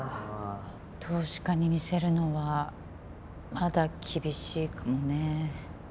投資家に見せるのはまだ厳しいかもね。